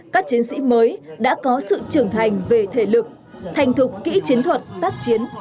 các chiến sĩ mới đã có sự trưởng thành về thể lực thành thục kỹ chiến thuật tác chiến